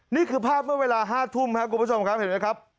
นี่คือภาพเมื่อเวลา๕ทุ่มครับคุณผู้ชมครับ